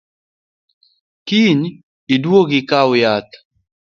Kiny iduogi ikaw yath